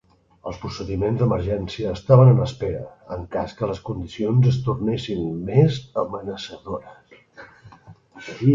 Els procediments d'emergència estaven en espera en cas que les condicions es tornessin més amenaçadores.